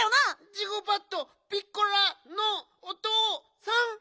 ジゴバットピッコラのおとうさん？